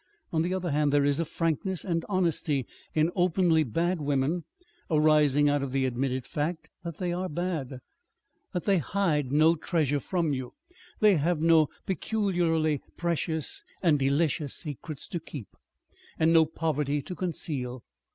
On the other hand, there is a frankness and honesty in openly bad women arising out of the admitted fact that they are bad, that they hide no treasure from you, they have no peculiarly precious and delicious secrets to keep, and no poverty to conceal.